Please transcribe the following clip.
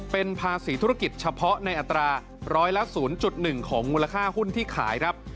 เป็นภาษีธุรกิจเฉพาะในอัตราร้อยละ๐๑ของมูลค่าหุ้นที่ขายครับ